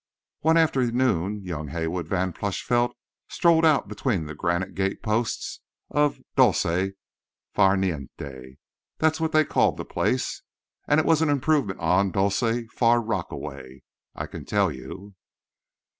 One afternoon young Haywood Van Plushvelt strolled out between the granite gate posts of "Dolce far Niente"—that's what they called the place; and it was an improvement on dolce Far Rockaway, I can tell you.